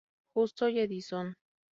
Justo y Edison.